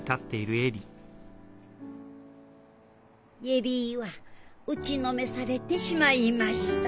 恵里は打ちのめされてしまいました。